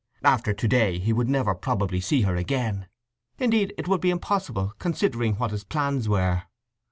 After to day he would never probably see her again. Indeed, it would be impossible, considering what his plans were.